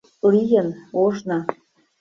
Лийын, ожно...